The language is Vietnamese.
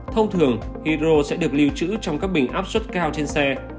thông thường hydro sẽ được lưu trữ trong các bình áp suất cao trên xe